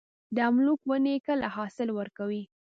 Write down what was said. د املوک ونې کله حاصل ورکوي؟